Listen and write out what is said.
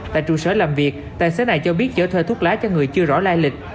tại trụ sở làm việc tài xế này cho biết chở thuê thuốc lá cho người chưa rõ lai lịch